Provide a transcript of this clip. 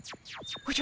おじゃ？